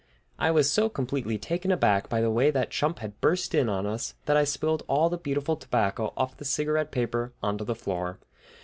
I was so completely taken aback by the way that chump had burst in on us that I spilled all the beautiful tobacco off the cigarette paper onto the floor.